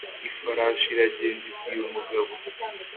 ifarashi iragenda ibwira umugabo.